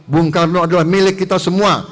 bung karno adalah milik kita semua